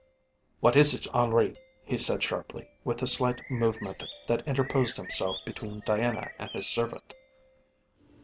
"What is it, Henri?" he said sharply, with a slight movement that interposed himself between Diana and his servant.